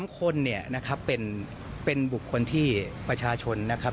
๒คนเนี่ยนะครับเป็นบุคคลที่ประชาชนนะครับ